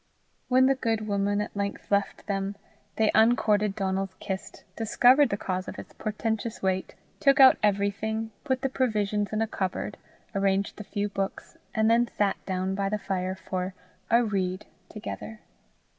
When the good woman at length left them, they uncorded Donal's kist, discovered the cause of its portentous weight, took out everything, put the provisions in a cupboard, arranged the few books, and then sat down by the fire for "a read" together.